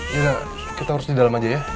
iya kita harus di dalam aja ya